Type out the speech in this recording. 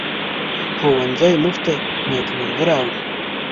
ښوونځی موږ ته نیکمرغي راوړي